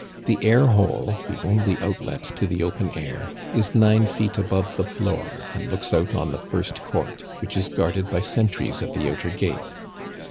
The air hole, the only outlet to the open air, is nine feet above the floor, and looks out on the first court, which is guarded by sentries at the outer gate.